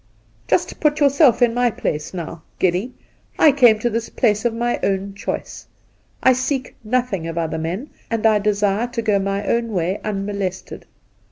' Just put yourself in my place, now, Geddy. I came to this place of my own choice. I seek 'nothing of other men, and I desire to go my own way unmolested.